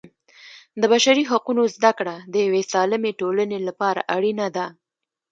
د بشري حقونو زده کړه د یوې سالمې ټولنې لپاره اړینه ده.